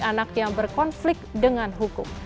anak yang berkonflik dengan hukum